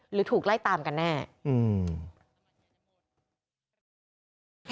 หรือถูกไล่ตามกันแน่อืม